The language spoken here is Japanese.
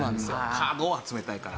カードを集めたいから。